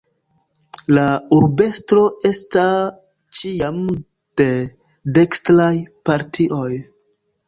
La urbestro esta ĉiam de dekstraj partioj.